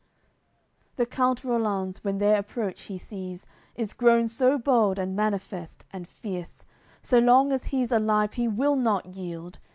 AOI. CLVIII The count Rollanz, when their approach he sees Is grown so bold and manifest and fierce So long as he's alive he will not yield.